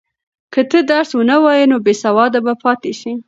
که ته درس ونه وایې نو بېسواده به پاتې شې.